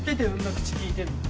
口利いてんのか？